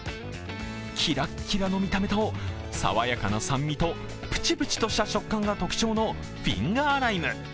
キラッキラの見た目と、爽やかな酸味とプチプチと食感が特徴のフィンガーライム。